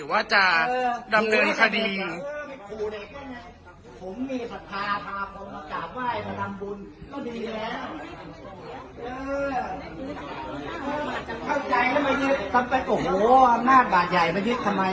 เออจะเข้าใจแล้วมายึดตั้งแต่โอ้โหน่าบาดใหญ่มายึดทำไม